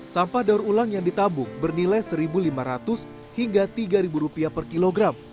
sampah daur ulang yang ditabung bernilai rp satu lima ratus hingga rp tiga per kilogram